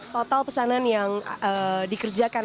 total pesanan yang dikerjakan